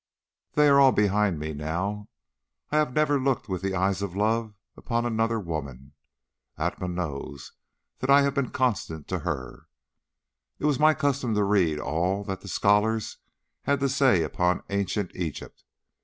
They are all behind me now, I have never looked with the eyes of love upon another woman. Atma knows that I have been constant to her. "It was my custom to read all that the scholars had to say upon Ancient Egypt.